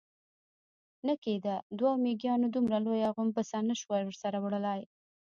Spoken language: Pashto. نه کېده، دوو مېږيانو دومره لويه غومبسه نه شوای ورسره وړلای.